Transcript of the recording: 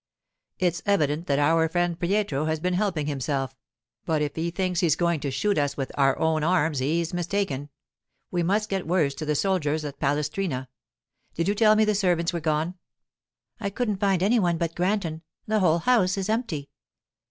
'It's evident that our friend Pietro has been helping himself; but if he thinks he's going to shoot us with our own arms he's mistaken. We must get word to the soldiers at Palestrina—did you tell me the servants were gone?' 'I couldn't find any one but Granton. The whole house is empty.